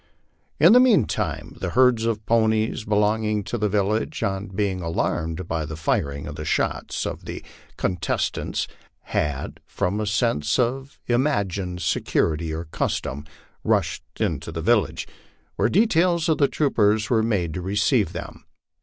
In the mean time the herds of ponies belonging to the village, on being alarmed by the firing and shouts of the contestants, had, from a sense of im agined security or custom, rushed into the village, where details of troopers were made to receive them.